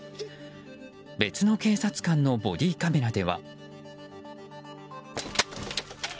別の警察官のボディーカメラでは。